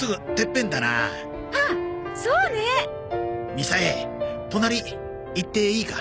みさえ隣行っていいか？